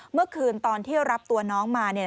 เมื่อคืนตอนที่รับตัวน้องมา